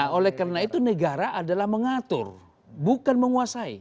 nah oleh karena itu negara adalah mengatur bukan menguasai